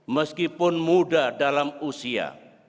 meskipun muda dalam usia